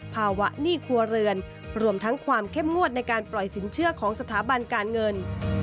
หนี้ครัวเรือนรวมทั้งความเข้มงวดในการปล่อยสินเชื่อของสถาบันการเงิน